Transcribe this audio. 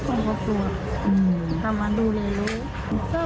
พออยู่คุยกันโตเช้า